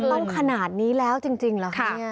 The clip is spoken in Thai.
ต้องขนาดนี้แล้วจริงเหรอคะ